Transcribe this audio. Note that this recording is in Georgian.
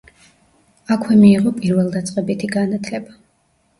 აქვე მიიღო პირველდაწყებითი განათლება.